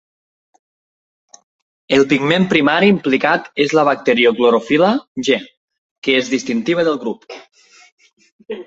El pigment primari implicat és la bacterioclorofil·la g, que és distintiva del grup.